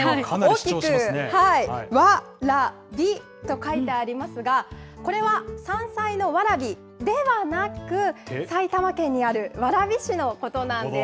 大きく、わらびと書いてありますが、これは、山菜のわらびではなく、埼玉県にある蕨市のことなんです。